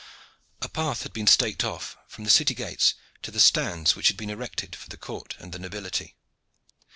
A path had been staked off from the city gate to the stands which had been erected for the court and the nobility.